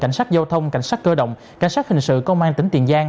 cảnh sát giao thông cảnh sát cơ động cảnh sát hình sự công an tỉnh tiền giang